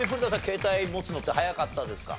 携帯持つのって早かったですか？